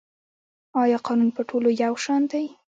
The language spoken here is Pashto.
آیا قانون په ټولو یو شان دی؟